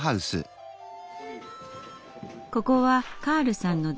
ここはカールさんの事務所。